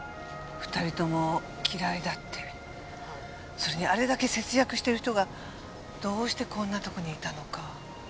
それにあれだけ節約してる人がどうしてこんなとこにいたのか。